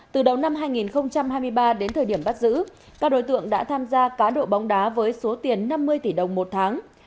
từ đầu năm hai nghìn hai mươi ba đến thời điểm bắt giữ các đối tượng đã tham gia cá độ bóng đá với số tiền năm mươi tỷ đồng một tháng